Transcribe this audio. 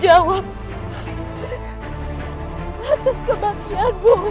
aku akan membalaskan bedamu